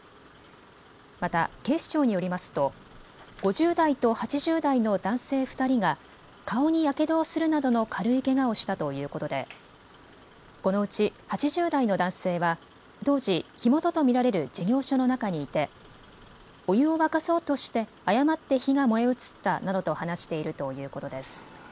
また警視庁によりますと５０代と８０代の男性２人が顔にやけどをするなどの軽いけがをしたということでこのうち８０代の男性は当時、火元と見られる事業所の中にいてお湯を沸かそうとして誤って火が燃え移ったなどと話しているということです。